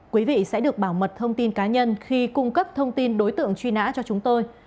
quý vị sẽ được bảo mật thông tin cá nhân khi cung cấp thông tin đối tượng truy nã cho chúng tôi